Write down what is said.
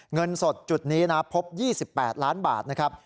เงินสดจุดนี้นะพบ๒๘ล้านบาทนะครับ